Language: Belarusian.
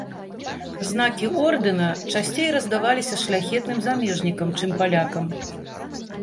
Знакі ордэна часцей раздаваліся шляхетным замежнікам, чым палякам.